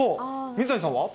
水谷さんは？